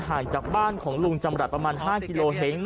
ห่างจากบ้านของลุงจำรัฐประมาณ๕กิโลเห็น